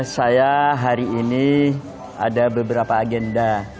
saya hari ini ada beberapa agenda